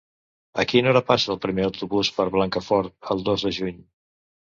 A quina hora passa el primer autobús per Blancafort el dos de juny?